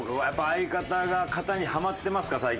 やっぱり相方が型にハマってますか？